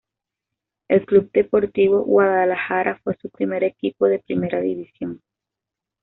El Club Deportivo Guadalajara fue su primer equipo de Primera División.